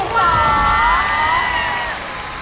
๕๕บาท